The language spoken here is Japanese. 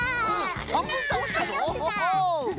はんぶんたおしたぞオホホ！